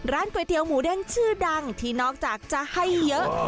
ก๋วยเตี๋ยหมูเด้งชื่อดังที่นอกจากจะให้เยอะ